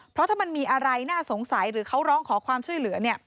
เพราะถ้ามันมีอะไรน่าสงสัยหรือเขาร้องขอความช่วยเหลือ